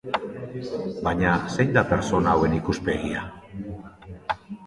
Baina zein da pertsona hauen ikuspegia?